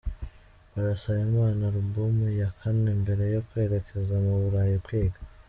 Barasaba Imana alubumu ya kane mbere yo kwerekeza mu Burayi kwiga